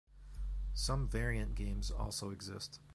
Some variant games also exist.